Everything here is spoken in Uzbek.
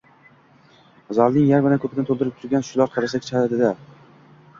Zalning yarmidan ko‘pini to‘ldirib turgan shular qarsak chaladi-da.